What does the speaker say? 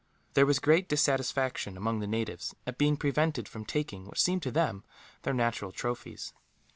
There was great dissatisfaction, among the natives, at being prevented from taking what seemed to them their natural trophies.